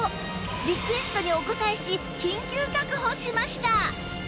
リクエストにお応えし緊急確保しました